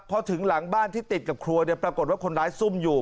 พอถึงหลังบ้านที่ติดกับครัวปรากฏว่าคนร้ายซุ่มอยู่